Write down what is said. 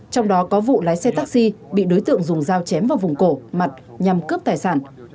trong đó có vụ lái xe taxi bị đối tượng dùng dao chém vào vùng cổ mặt nhằm cướp tài sản